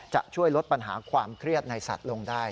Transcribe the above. จะช่วยลดปัญหาความเครียดในสัตว์ลงได้